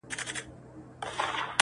سیاه پوسي ده، قندهار نه دی.